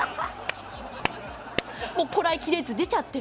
もうこらえきれず出ちゃってる。